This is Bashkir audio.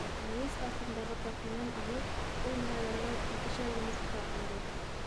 Мейес артындағы тартманан алып, ул малайҙарға икешәр йомортҡа һондо.